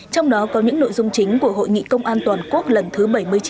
trong đó có những nội dung chính của hội nghị công an toàn quốc lần thứ bảy mươi chín